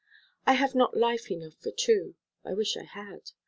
I have not life enough for two; I wish I had.